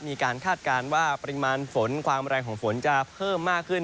คาดการณ์ว่าปริมาณฝนความแรงของฝนจะเพิ่มมากขึ้น